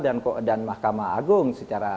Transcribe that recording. dan mahkamah agung secara